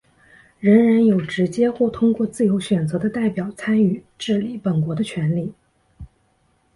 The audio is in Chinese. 人人有直接或通过自由选择的代表参与治理本国的权利。